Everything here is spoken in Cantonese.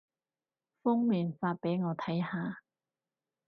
封面發畀我睇下